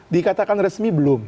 dikatakan resmi belum